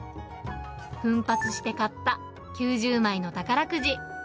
奮発して買った９０枚の宝くじ。